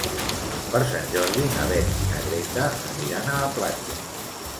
Per Sant Jordi na Beth i na Greta aniran a la platja.